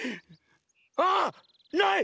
あっない！